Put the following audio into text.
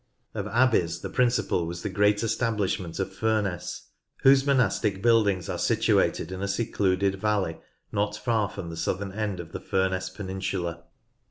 Of" Abbeys, the principal was the great establishment of Furness, whose monastic buildings are situated in a secluded valley not far from the southern end of the Furness peninsula.